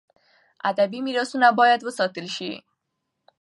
. ادبي میراثونه باید وساتل سي.